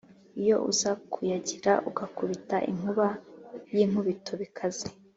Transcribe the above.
iyo uza kuyagira ugakubita inkuba y' inkubito ikaze